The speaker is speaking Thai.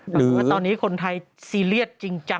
แบบว่าตอนนี้คนไทยซีเรียสจริงจัง